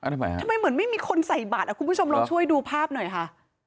ทำไมฮะทำไมเหมือนไม่มีคนใส่บัตรอ่ะคุณผู้ชมลองช่วยดูภาพหน่อยค่ะ